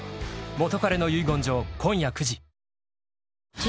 「元彼の遺言状」、今夜９時。